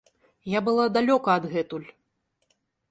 Я была далёка адгэтуль.